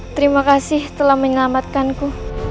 terima kasih telah menyelamatkanku